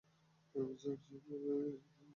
আর সহীহ বুখারীতে এ হাদীসটি অন্য সূত্রে বর্ণিত হয়েছে।